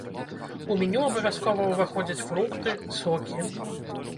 У меню абавязкова ўваходзяць фрукты, сокі.